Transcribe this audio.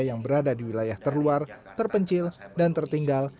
yang berada di wilayah terluar terpencil dan tertinggal